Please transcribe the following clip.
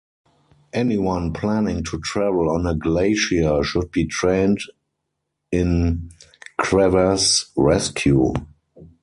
Anyone planning to travel on a glacier should be trained in crevasse rescue.